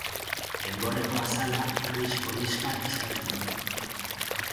Enborreko azala gris-horixka izaten du.